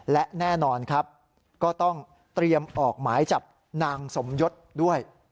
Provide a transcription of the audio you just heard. และแน่นอนครับก็ต้องเตรียมออกหมายจับนางสมยศด้วย